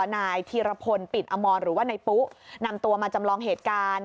นายธีรพลปิ่นอมรหรือว่านายปุ๊นำตัวมาจำลองเหตุการณ์